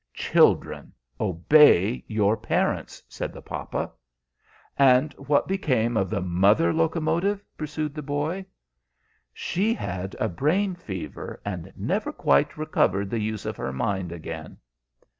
"Children, obey your parents," said the papa. "And what became of the mother locomotive?" pursued the boy. "She had a brain fever, and never quite recovered the use of her mind again."